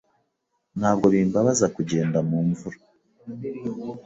Ntabwo bimbabaza kugenda mu mvura.